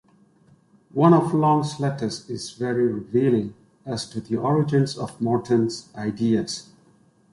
One of Long's letters is very revealing as to the origins of Morton's ideas.